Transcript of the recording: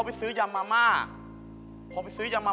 พัทยาไม่ใช่